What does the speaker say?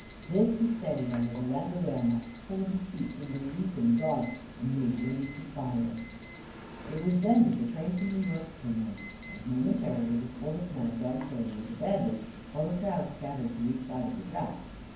This he steadied on the veranda rail not forty feet away from the leaping dog, and made ready to fire. It was then the train from New York came in. And, momentarily, the sport of "mad dog" killing was abandoned, while the crowd scattered to each side of the track.